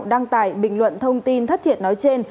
đăng tải bình luận thông tin thất thiệt nói trên